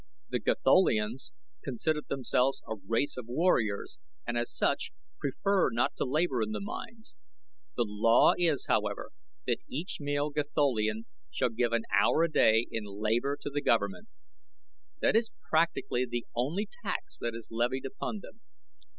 The Gatholians consider themselves a race of warriors and as such prefer not to labor in the mines. The law is, however, that each male Gatholian shall give an hour a day in labor to the government. That is practically the only tax that is levied upon them.